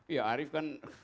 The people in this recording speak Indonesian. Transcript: iya arief kan